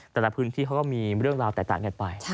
แต่ละพื้นที่เขาก็มีเรื่องราวแตกต่างกันไป